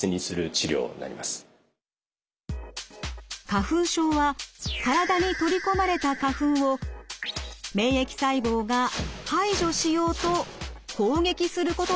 花粉症は体に取り込まれた花粉を免疫細胞が排除しようと攻撃することで起きます。